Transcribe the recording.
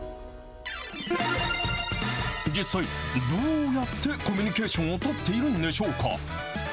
実際、どうやってコミュニケーションを取っているんでしょうか。